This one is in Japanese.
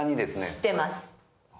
知ってます！